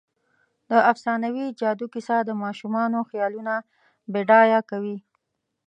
د افسانوي جادو کیسه د ماشومانو خیالونه بډایه کوي.